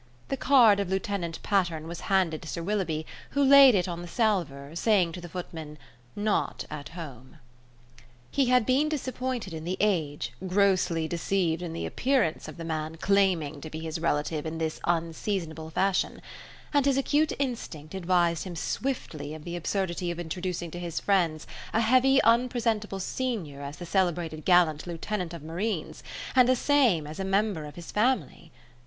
The card of Lieutenant Patterne was handed to Sir Willoughby, who laid it on the salver, saying to the footman, "Not at home." He had been disappointed in the age, grossly deceived in the appearance of the man claiming to be his relative in this unseasonable fashion; and his acute instinct advised him swiftly of the absurdity of introducing to his friends a heavy unpresentable senior as the celebrated gallant Lieutenant of Marines, and the same as a member of his family!